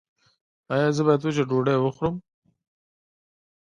ایا زه باید وچه ډوډۍ وخورم؟